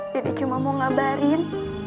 dedeh cuma mau ngabarin